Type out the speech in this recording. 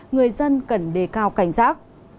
người dân cần đề cao cảnh giác